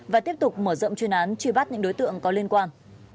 và tiếp tục mở rộng chuyên án truy bắt những đối tượng có liên quan